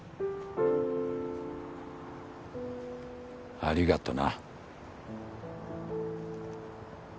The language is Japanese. ありがとな。